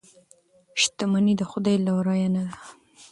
شتمني د خدای لورینه ده.